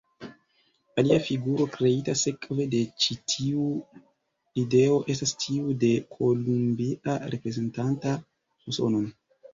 Alia figuro kreita sekve de ĉi tiu ideo estas tiu de Kolumbia reprezentanta Usonon.